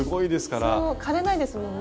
枯れないですもんね。